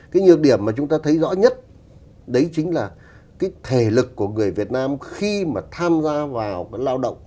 cái nhược điểm mà chúng ta thấy rõ nhất đấy chính là cái thể lực của người việt nam khi mà tham gia vào lao động